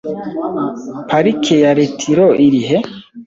Parike ya Retiro irihe?